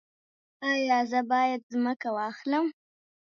ایا زه باید ځمکه واخلم؟